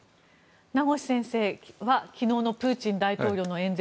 名越先生は昨日のプーチン大統領の演説